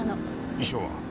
遺書は？